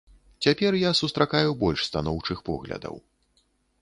Цяпер я сустракаю больш станоўчых поглядаў.